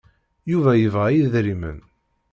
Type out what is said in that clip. Yuba yebɣa idrimen.